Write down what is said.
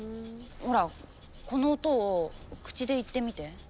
ほらこの音を口で言ってみて。